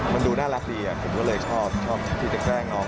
มันดูน่ารักดีผมก็เลยชอบที่จะแกล้งน้อง